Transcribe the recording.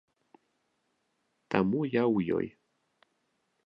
Таму я ў ёй.